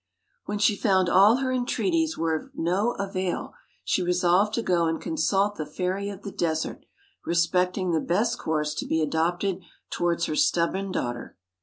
When she found all her entreaties were of no avail, she resolved to go and consult the Fairy of the Desert respecting the best course to be adopted towards her stubborn daughter.